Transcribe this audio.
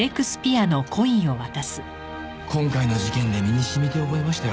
今回の事件で身に染みて覚えましたよ